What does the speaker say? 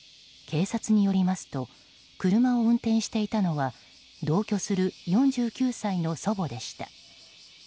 警察によりますと車を運転していたのは同居する４９歳の祖母でした。